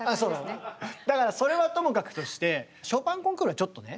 そうなのだからそれはともかくとしてショパン・コンクールはちょっとね。